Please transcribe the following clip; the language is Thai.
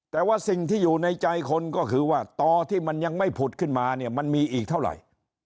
แต่ว่าสิ่งที่อยู่ในใจคนก็คือว่าต่อที่มันยังไม่ผุดขึ้นมาเนี่ยมันมีอีกเท่าไหร่